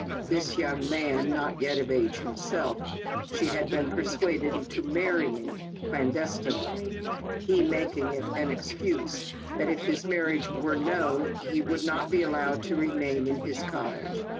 This young man, not yet of age himself, she had been persuaded into marrying clandestinely, he making it an excuse that, if his marriage were known, he would not be allowed to remain in his college.